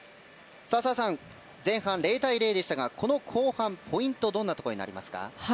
澤さん、前半０対０でしたがこの後半、ポイントはどんなところになりますか。